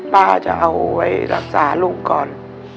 ป้าจะเอาไว้รักษาลูกก่อน